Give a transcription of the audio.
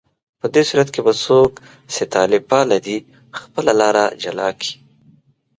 په دې صورت کې به څوک چې طالب پاله دي، خپله لاره جلا کړي